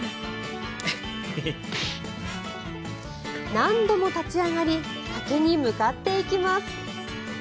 何度も立ち上がり竹に向かっていきます。